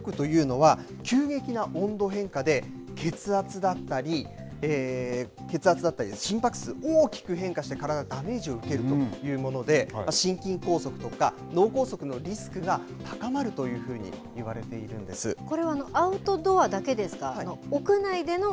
ヒートショックというのは急激な温度変化で血圧だったり心拍数、大きく変化して体にダメージを受けるというもので心筋梗塞とか脳梗塞のリスクが高まるというふうにこれはアウトドアだけですか。